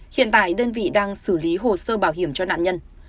hiện tại đơn vị đang xử lý hồ sơ bảo hiểm cho nạn nhân